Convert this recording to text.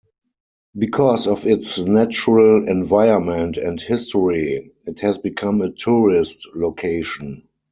Because of its natural environment and history, it has become a tourist location.